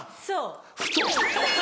そう。